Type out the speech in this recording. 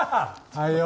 はいよ。